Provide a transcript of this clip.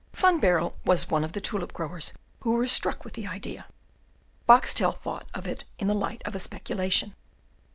Van Baerle was one of the tulip growers who were struck with the idea; Boxtel thought of it in the light of a speculation.